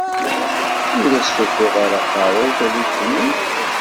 Ur as-tufiḍ ara aqerru i taluft-nni?